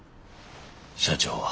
社長は？